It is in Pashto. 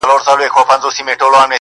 • ورور مي اخلي ریسوتونه ښه پوهېږم,